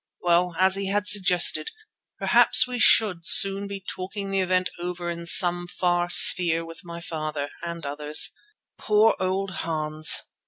Well, as he had suggested, perhaps we should soon be talking the event over in some far sphere with my father—and others. Poor old Hans!